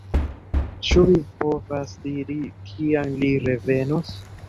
Ĉu vi povas diri, kiam li revenos?